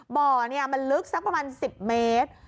บ่อมันลึกสักประมาณ๑๐เมตร